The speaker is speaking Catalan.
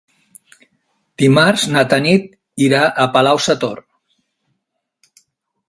Dimarts na Tanit irà a Palau-sator.